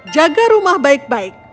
jaga rumah baik baik